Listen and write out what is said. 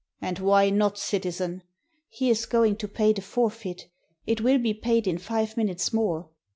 "And why not, citizen?" "He is going to pay the forfeit; it will be paid in five minutes more.